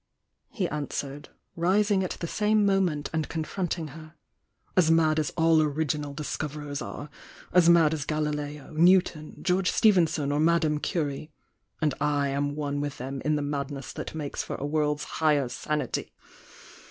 he answered, rising at the same moment and confronting her— "As mad as all original discoverers are! As mad as Galileo, New ton, George Stephenson or Madame Curie! And I am one with them in the madness that makes for a world's higher sanity!